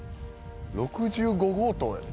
「６５号棟やで」